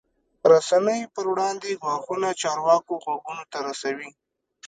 رسنۍ پر وړاندې ګواښونه چارواکو غوږونو ته رسوي.